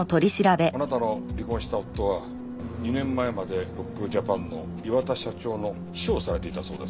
あなたの離婚した夫は２年前までロックルジャパンの磐田社長の秘書をされていたそうですね。